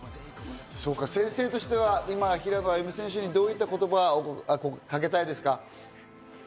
先生としては今、平野歩夢選手にどういった言葉をかけたいですか？